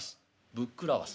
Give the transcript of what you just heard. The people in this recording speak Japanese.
「『ぶっくらわす』？